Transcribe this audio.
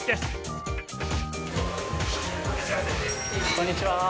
こんにちは。